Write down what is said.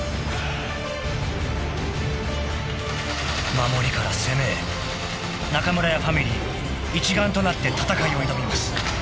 ［守りから攻めへ中村屋ファミリー一丸となって戦いを挑みます］